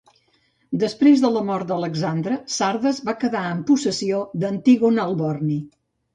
Després de la mort d'Alexandre, Sardes va quedar en possessió d'Antígon el Borni.